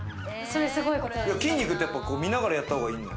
筋肉って見ながらやった方がいいの。